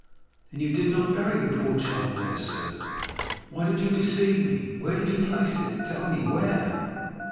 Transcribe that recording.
"Then you did not bury the poor child there, sir? Why did you deceive me? Where did you place it? tell me—where?"